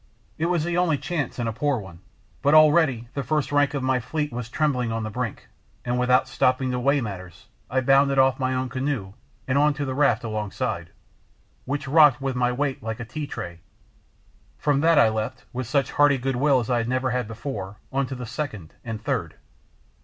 It was the only chance and a poor one, but already the first rank of my fleet was trembling on the brink, and without stopping to weigh matters I bounded off my own canoe on to the raft alongside, which rocked with my weight like a tea tray. From that I leapt, with such hearty good will as I had never had before, on to a second and third.